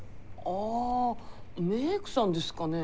あメークさんですかね？